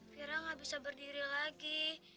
firah gak bisa berdiri lagi